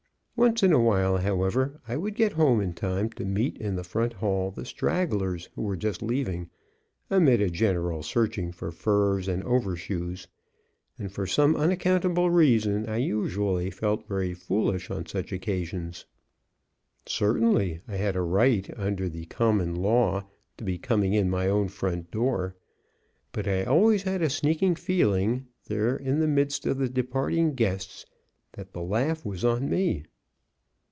Once in a while, however, I would get home in time to meet in the front hall the stragglers who were just leaving, amid a general searching for furs and over shoes, and for some unaccountable reason I usually felt very foolish on such occasions. Certainly I had a right, under the Common Law, to be coming in my own front door, but I always had a sneaking feeling, there in the midst of the departing guests, that the laugh was on me.